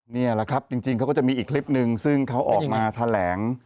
นี่แหละครับจริงเขาก็จะมีอีกคลิปนึงซึ่งเขาออกมาแถลง